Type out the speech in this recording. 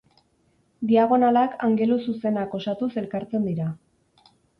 Diagonalak angelu zuzenak osatuz elkartzen dira.